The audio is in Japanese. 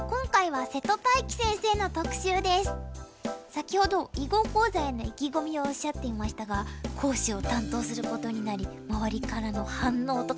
先ほど囲碁講座への意気込みをおっしゃっていましたが講師を担当することになり周りからの反応とかありましたか？